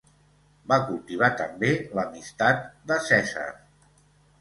Va cultivar també l'amistat de Cèsar.